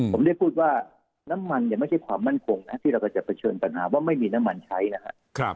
ผมได้พูดว่าน้ำมันเนี่ยไม่ใช่ความมั่นคงนะที่เราก็จะเผชิญปัญหาว่าไม่มีน้ำมันใช้นะครับ